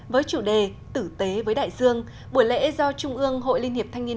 với chủ đề tử tế với đại dương buổi lễ do trung ương hội liên hiệp thanh niên